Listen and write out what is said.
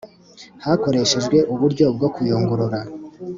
Hakoreshejwe uburyo bwo kuyungurura